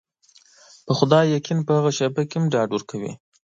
په خدای يقين په هغه شېبه کې هم ډاډ ورکوي.